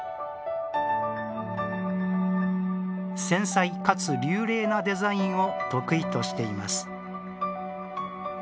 繊細かつ流麗なデザインを得意としています。